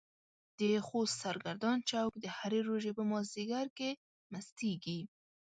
د خوست سرګردان چوک د هرې روژې په مازديګر کې مستيږي.